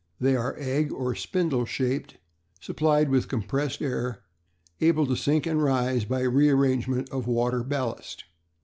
They are egg or spindle shaped, supplied with compressed air, able to sink and rise by rearrangement of water ballast.